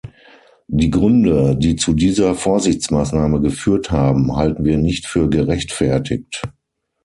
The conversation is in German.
Die Gründe, die zu dieser Vorsichtsmaßnahme geführt haben, halten wir nicht für gerechtfertigt.